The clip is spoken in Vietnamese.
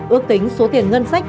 ước tính số tiền ngân sách